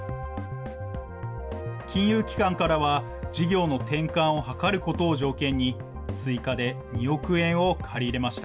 金融機関からは事業の転換を図ることを条件に、追加で２億円を借り入れました。